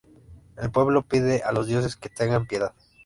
El pueblo pide a los dioses que tengan piedad.